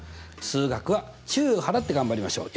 数学は注意を払って頑張りましょう。